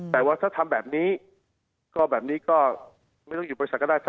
แต่ว่าถ้าทำแบบนี้ก็แบบนี้ก็ไม่ต้องอยู่บริษัทก็ได้